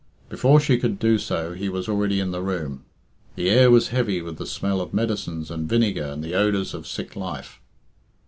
Before she could dc so he was already in the room. The air was heavy with the smell of medicines and vinegar and the odours of sick life.